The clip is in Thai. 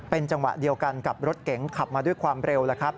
เป็นจังหวะเดียวกันกับรถเก๋งขับมาด้วยความเร็วแล้วครับ